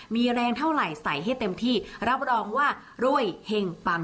มีแรงเท่าไหร่ใส่ให้เต็มที่รับรองว่ารวยเฮงปัง